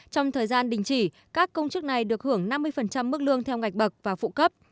trong thời gian đình chỉ các công chức này được hưởng năm mươi mức lương theo ngạch bậc và phụ cấp